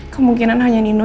kemungkinan hanya nino